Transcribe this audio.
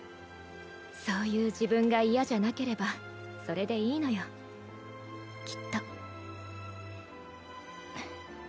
そういう自分が嫌じゃなければそれでいいのよきっと。